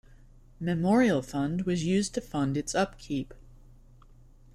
Memorial Fund was used to fund its upkeep.